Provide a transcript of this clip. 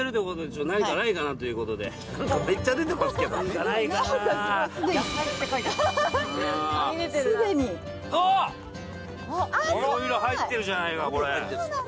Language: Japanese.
いろいろ入ってるじゃないかこれ。